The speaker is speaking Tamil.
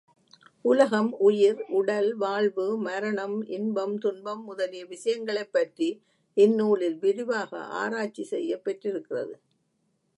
உலகம், உயிர், உடல், வாழ்வு, மரணம், இன்பம், துன்பம் முதலிய விஷயங்களைப் பற்றி இந்நூலில் விரிவாக ஆராய்ச்சிசெய்யப் பெற்றிருக்கிறது.